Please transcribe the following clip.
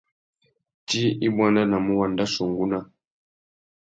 Tsi i buandanamú wandachia ungúná.